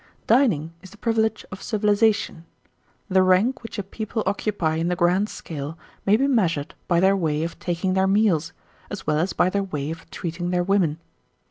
Dining is the privilege of civilization. The rank which a people occupy in the grand scale may be measured by their way of taking their meals, as well as by their way of treating their women.